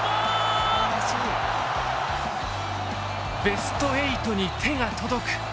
「ベスト８に手が届く」